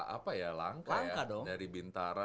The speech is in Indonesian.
apa ya langkah ya langkah dong dari bintara